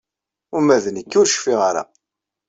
Uma d nekki ur cfiɣ ara.